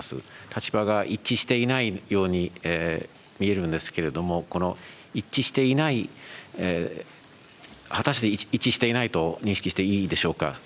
立場が一致していないように見えるんですけれども、この一致していない、果たして一致していないと認識していいでしょうか。